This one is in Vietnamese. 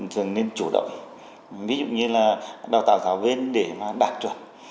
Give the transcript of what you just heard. thường nên chủ động ví dụ như là đào tạo giáo viên để mà đạt chuẩn